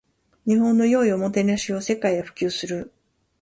日本の良いおもてなしを世界へ普及する